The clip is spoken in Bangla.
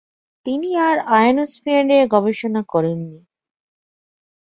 তিনি আর আয়োনোস্ফিয়ার নিয়ে গবেষণা করেন নি।